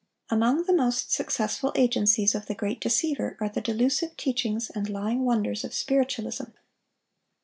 Among the most successful agencies of the great deceiver are the delusive teachings and lying wonders of Spiritualism.